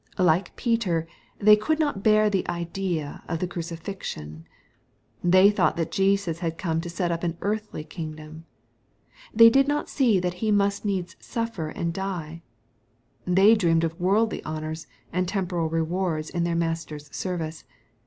Like Peter, they could not bear the idea of the crucifixion. They thought that Jesus had come to set up an earthly kingdom. They did not see that He must needs suffer and die. They dreamed of worldly honors and temporal rewards in their Master's service.